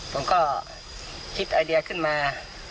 ผมก็คิดไอเดียขึ้นมา